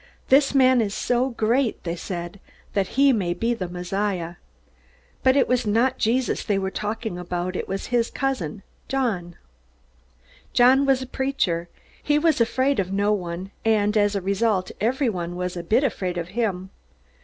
"This man is so great," they said, "that he may be the Messiah." But it was not Jesus they were talking about. It was his cousin, John. John was a preacher. He was afraid of no one, and as a result everyone was a bit afraid of him.